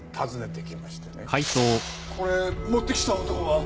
これ持ってきた男は？